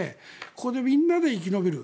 ここで、みんなで生き延びる。